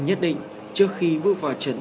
nhất định trước khi bước vào trận